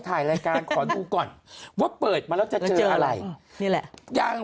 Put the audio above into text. ถ่ายรายการขอดูก่อนว่าเปิดมาแล้วจะเจออะไรนี่แหละยัง